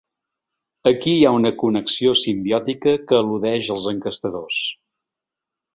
Aquí hi ha una connexió simbiòtica que eludeix els enquestadors.